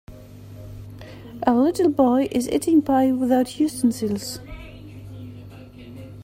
A little boy is eating pie without utensils.